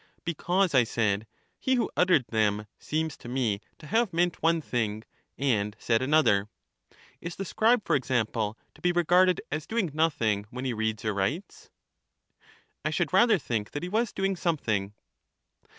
Because, I said, he who uttered them seems to me to have meant one thing, and said another. Is the scribe^ for example, to be regarded as doing nothing when he reads or writes? I should rather think that he was doing something.